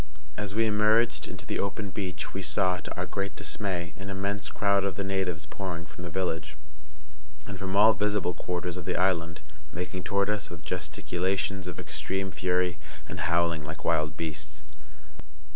As we emerged into the open beach we saw, to our great dismay, an immense crowd of the natives pouring from the village, and from all visible quarters of the island, making toward us with gesticulations of extreme fury, and howling like wild beasts.